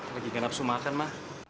lagi gak nafsu makan mbak